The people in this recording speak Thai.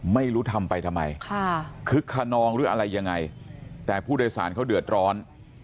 ไม่รู้ทำไปทำไมคึกขนองหรืออะไรยังไงแต่ผู้โดยสารเขาเดือดร้อน